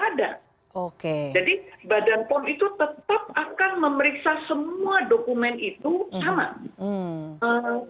jadi badan kompon itu tetap akan memeriksa semua dokumen itu sama